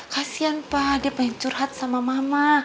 kasian pak dia pengen curhat sama mama